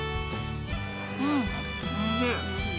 うんおいしい。